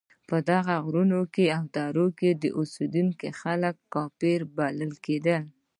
په دغو غرونو او درو کې اوسېدونکي خلک کافران بلل کېدل.